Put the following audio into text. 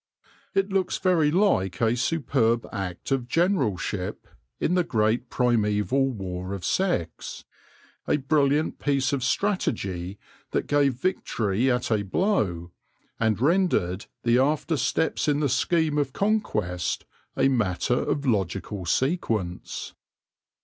It looks very like a superb act of generalship in the great primaeval war of sex — a brilliant piece of strategy that gave victory at a blow, and rendered the after steps in the scheme of conquest a matter of logical sequence.